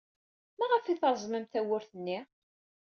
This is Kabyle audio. Maɣef ay treẓmemt tawwurt-nni?